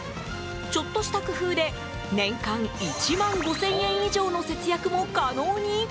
ちょっとした工夫で年間１万５０００円以上の節約も可能に？